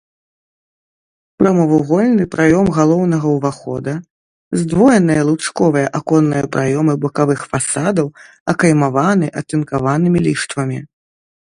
Прамавугольны праём галоўнага ўвахода, здвоеныя лучковыя аконныя праёмы бакавых фасадаў акаймаваны атынкаванымі ліштвамі.